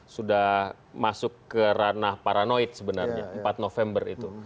sudah masuk ke ranah paranoid sebenarnya empat november itu